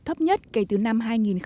thấp nhất kể từ năm hai nghìn một mươi